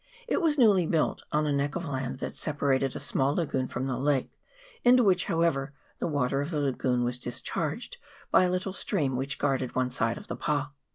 It was newly built on a neck of land that separated a small lagoon from the lake, into which, however, the water of the lagoon was discharged by a little stream, which guarded one side of the pa.